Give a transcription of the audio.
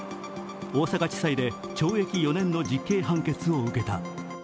大阪地裁で懲役４年の実刑判決を受けた。